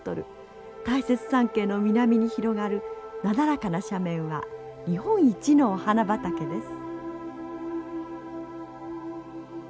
大雪山系の南に広がるなだらかな斜面は日本一のお花畑です。